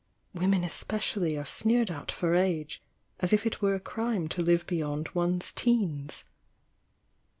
Women especially are sneered at for age, as if it were a crime to live beyond one's teens."